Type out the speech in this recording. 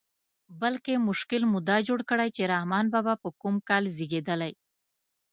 بلکې مشکل مو دا جوړ کړی چې رحمان بابا په کوم کال زېږېدلی.